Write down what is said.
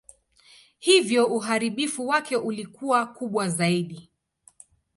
Hivyo uharibifu wake ulikuwa kubwa zaidi.